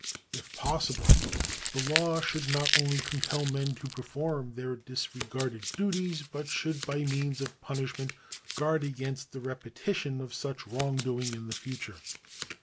If possible, the law should not only compel men to perform their disregarded duties, but should by means of punishment guard against the repetition of such wrongdoing in the future.